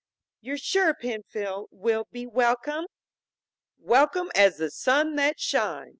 "You're sure, Penfield, we'll be welcome?" "Welcome as the sun that shines!"